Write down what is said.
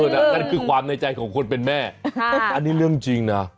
นั่นคือความในใจของคนเป็นแม่อันนี้เรื่องจริงนะ